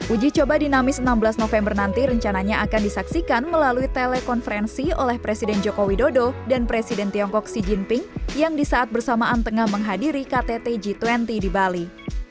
uji coba dinamis enam belas november nanti rencananya akan disaksikan melalui telekonferensi oleh presiden joko widodo dan presiden tiongkok xi jinping yang di saat bersamaan tengah menghadiri ktt g dua puluh di bali